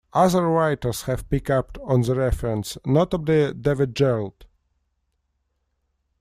Other writers have picked up on the reference, notably David Gerrold.